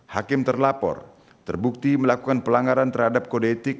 hakim terlapor terbukti melakukan pelanggaran terhadap kode etik